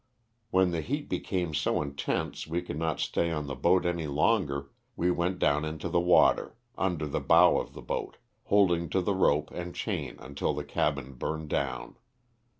When the heat became so intense we could not stay on the boat any longer we went down into the water, under the bow of the boat, holding to the rope and chain until the cabin burned down.